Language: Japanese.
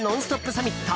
サミット。